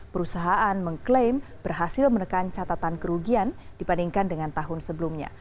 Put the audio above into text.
perusahaan mengklaim berhasil menekan catatan kerugian dibandingkan dengan tahun sebelumnya